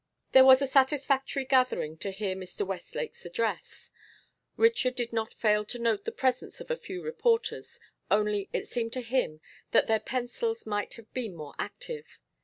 There was a satisfactory gathering to hear Mr. Westlake's address; Richard did not fail to note the presence of a few reporters, only it seemed to him that their pencils might have been more active.